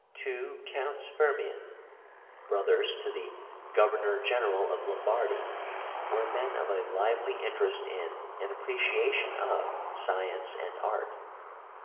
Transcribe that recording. Two Counts Firmian, brothers to the Governor General of Lombardy (p. no), were men of a lively interest in and appreciation of science and art.